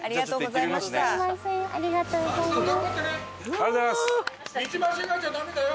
ありがとうございます！